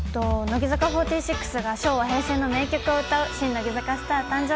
乃木坂４６が昭和・平成の名曲を歌う『新・乃木坂スター誕生！